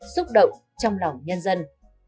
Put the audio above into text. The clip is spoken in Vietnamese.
xúc động trong lòng nhân dân